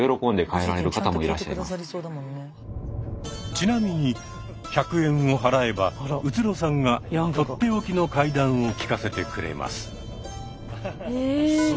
ちなみに１００円を払えば宇津呂さんが取って置きの怪談を聞かせてくれます。